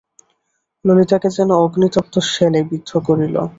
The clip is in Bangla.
ললিতাকে যেন অগ্নিতপ্ত শেলে বিদ্ধ করিল।